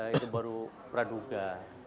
itu baru praduga